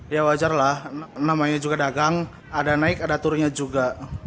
ya wajar lah namanya juga dagang ada naik ada turunnya juga